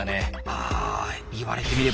あ言われてみれば。